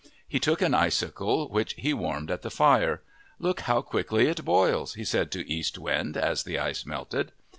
He took an icicle which he warmed at the fire. " Look how quickly it boils," he said to East Wind as the ice melted.